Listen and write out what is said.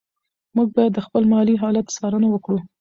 موږ باید د خپل مالي حالت څارنه وکړو.